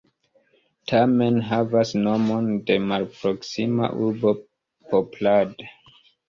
Tamen havas nomon de malproksima urbo Poprad.